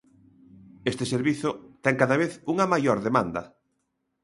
Este servizo ten cada vez unha maior demanda.